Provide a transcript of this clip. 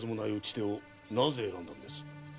手をなぜ選んだんです？